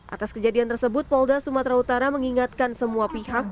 atas kejadian tersebut polda sumatera utara mengingatkan semua pihak